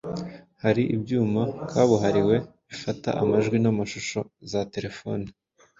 Hari ibyuma kabuhariwe bifata amajwi n’amashusho, za terefone,